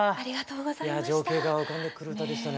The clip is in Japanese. いやぁ情景が浮かんでくる歌でしたね。